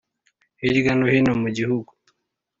hirya no hino mu gihugu.